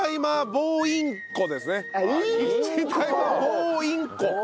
ボーインコ。